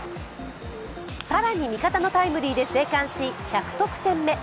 更に、味方のタイムリーで生還し、１００得点目。